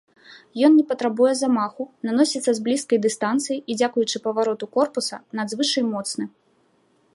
Ён не патрабуе замаху, наносіцца з блізкай дыстанцыі і дзякуючы павароту корпуса надзвычай моцны.